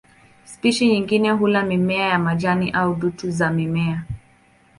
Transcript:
Spishi nyingine hula mimea ya majini au dutu za mimea.